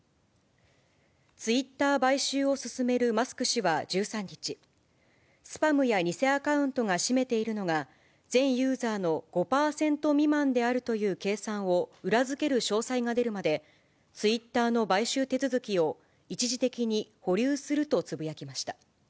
ツイッター買収を進めるマスク氏は１３日、スパムや偽アカウントが占めているのが全ユーザーの５％未満であるという計算を裏付ける詳細が出るまで、ツイッターの買収手続きを一時的に保留するとつぶやきました。